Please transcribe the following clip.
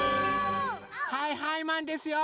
はいはいマンですよ！